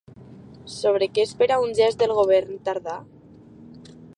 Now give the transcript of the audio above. Sobre què espera un gest del govern Tardà?